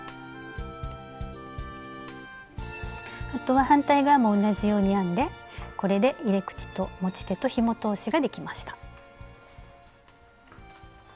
あとは反対側も同じように編んでこれで入れ口と持ち手とひも通しができました。